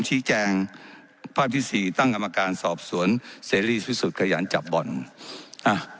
ชี้แจงภาพที่สี่ตั้งกรรมการสอบสวนเสรีที่สุดขยันจับบ่อนอ่ะ